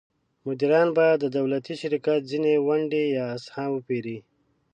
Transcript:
مدیران باید د دولتي شرکت ځینې ونډې یا اسهام وپیري.